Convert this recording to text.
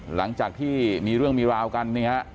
หลังจากที่มีเรื่องมีราวกันนี่ฮะ